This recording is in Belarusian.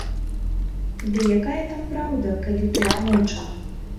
Ды якая там праўда, калі ты ануча.